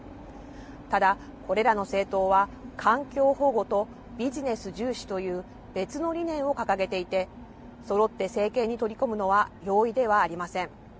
ただ、これらの政党は環境保護とビジネス重視という別の理念を掲げていて、そろって政権に取り込むのは容易ではありません。